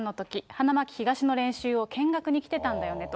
花巻東の練習を見学に来てたんだよねと。